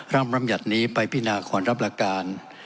ร่างบรรยัตนี้ไปพินาควรรับราการ